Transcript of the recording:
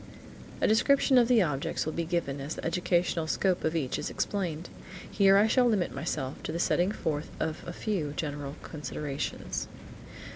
A description of the objects will be given as the educational scope of each is explained. Here I shall limit myself to the setting forth of a few general considerations.